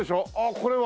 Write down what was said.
これは。